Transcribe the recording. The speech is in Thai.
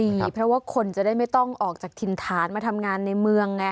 ดีเพราะว่าคนจะได้ไม่ต้องออกจากถิ่นฐานมาทำงานในเมืองไง